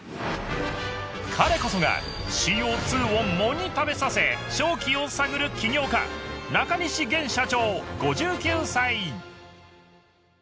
彼こそがＣＯ２を藻に食べさせ商機を探る起業家中西元社長５９歳！